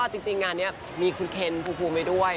จริงงานนี้มีคุณเคนภูมิไว้ด้วย